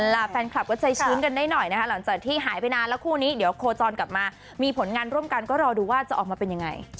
เราคุยกันจริงเหมือนเราตั้งใจคุย